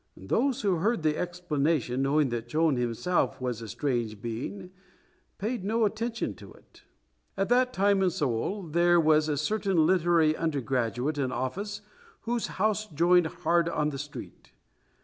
Those who heard this explanation, knowing that Chon himself was a strange being, paid no attention to it. At that time in Seoul there was a certain literary undergraduate in office whose house joined hard on the street.